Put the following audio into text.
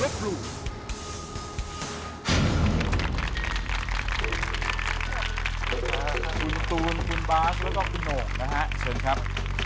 คุณตูนคุณบาสแล้วก็คุณโหน่งนะฮะเชิญครับ